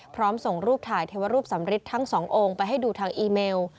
ส่งรูปถ่ายเทวรูปสำริททั้งสององค์ไปให้ดูทางอีเมล